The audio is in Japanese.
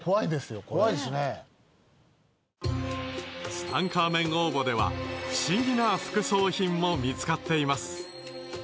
ツタンカーメン王墓では不思議な副葬品も見つかっています。